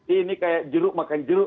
ini kayak jeruk makan jeruk